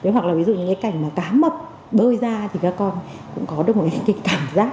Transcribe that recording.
hoặc là ví dụ những cái cảnh mà cá mập bơi ra thì các con cũng có được một cái cảm giác